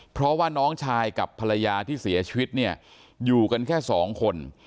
เพราะว่าน้องชายกับภรรยาที่เสียชีวิตเนี่ยอยู่กันแค่สองคน